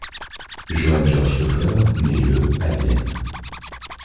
Johann Georg Stauffer naît le à Vienne.